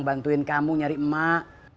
bantuin kamu nyari emak